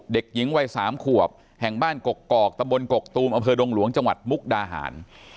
เด็กหญิงวัย๓ขวบแห่งบ้านกกอกตะบนกกตูมอำเภอดงหลวงจังหวัดมุกดาหาร